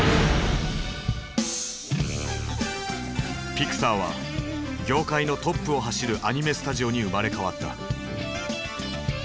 ピクサーは業界のトップを走るアニメスタジオに生まれ変わった。